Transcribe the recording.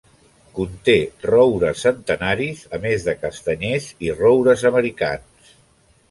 Conté roures centenaris a més de castanyers i roures americans.